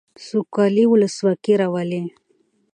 سوکالي او ولسواکي راولي.